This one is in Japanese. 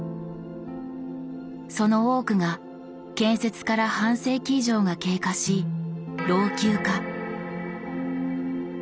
その多くが建設から半世紀以上が経過し老朽化。